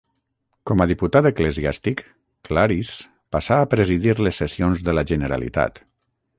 Com a diputat eclesiàstic, Claris passà a presidir les sessions de la Generalitat.